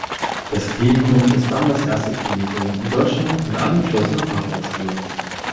Das Klinikum ist dann das erste Klinikum in Deutschland mit angeschlossener Fachhochschule.